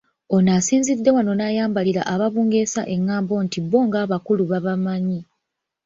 Ono asinzidde wano n'ayambalira ababungeesa eng'ambo nti bo ng'abakulu babamanyi